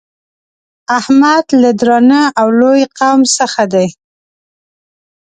احمد له درانه او لوی قوم څخه دی.